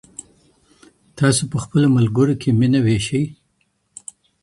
تاسي په خپلو ملګرو کي مینه ویشئ.